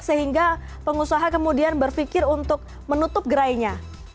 sehingga pengusaha kemudian berpikir untuk menutup gerainya